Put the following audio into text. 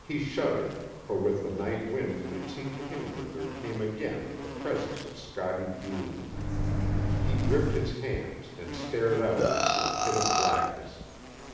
He shuddered, for with the night wind it seemed to him that there came again the presence of Scottie Deane. He gripped his hands and stared out into a pit of blackness.